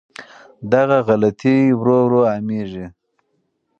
دغه غلطۍ ورو ورو عامېږي.